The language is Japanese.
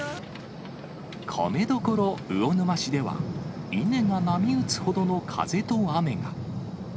米どころ、魚沼市では、稲が波打つほどの風と雨が。